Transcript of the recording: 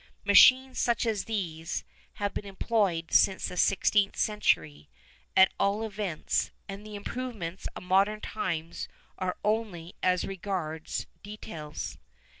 Machines such as these have been employed since the sixteenth century, at all events, and the improvements of modern times are only as regards details.